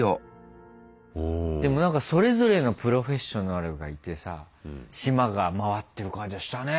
でも何かそれぞれのプロフェッショナルがいてさ島が回ってる感じはしたね。